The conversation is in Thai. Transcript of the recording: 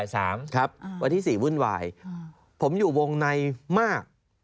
แล้วก็มีแผนที่เขตรักษาพันธุ์สัตว์ป่า